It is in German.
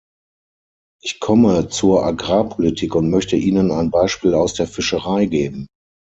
Ich komme zur Agrarpolitik und möchte Ihnen ein Beispiel aus der Fischerei geben.